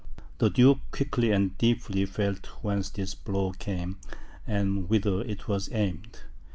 The duke quickly and deeply felt whence this blow came, and whither it was aimed.